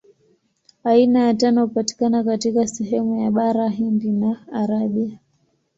Aina ya tano hupatikana katika sehemu ya Bara Hindi na Arabia.